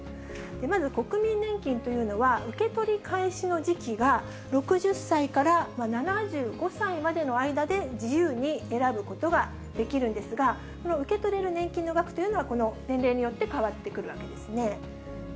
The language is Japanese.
まず、国民年金というのは、受け取り開始の時期が６０歳から７５歳までの間で自由に選ぶことができるんですが、この受け取れる年金の額というのは、この年齢によって変わってくるわけですね。